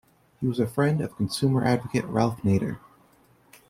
He was a friend of consumer advocate Ralph Nader.